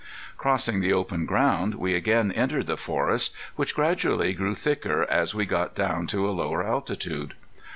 Crossing the open ground we again entered the forest, which gradually grew thicker as we got down to a lower altitude.